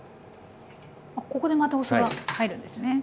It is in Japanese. あっここでまたお酢が入るんですね。